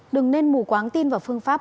đừng nên mù quáng tin vào phương pháp